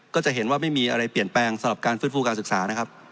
ก็จะเห็นว่าไม่มีอะไรเปลี่ยนแปลงสำหรับการฟื้นฟูการศึกษานะครับ